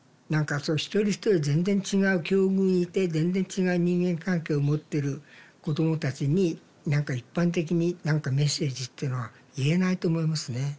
何か一人一人全然違う境遇にいて全然違う人間関係を持ってる子供たちに何か一般的に何かメッセージっていうのは言えないと思いますね。